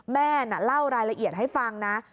แม่น่ะเล่ารายละเอียดให้ฟังนะ